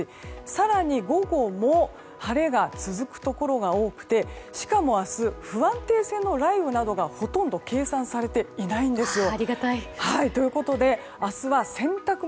更に午後も晴れが続くところが多くてしかも明日不安定性の雷雨などがほとんど計算されていないんですよ。